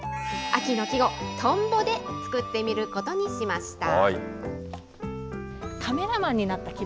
秋の季語、トンボで作ってみることにしました。